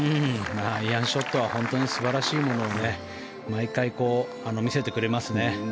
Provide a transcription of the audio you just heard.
アイアンショットは本当に素晴らしいものを毎回、見せてくれますね。